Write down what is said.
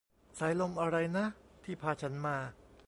สายลมอะไรนะ ที่พาฉันมา